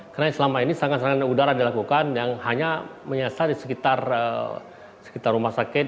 karena selama ini serangan serangan udara dilakukan yang hanya menyesal di sekitar rumah sakit